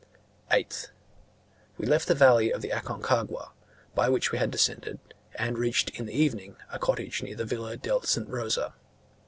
8th. We left the valley of the Aconcagua, by which we had descended, and reached in the evening a cottage near the Villa del St. Rosa.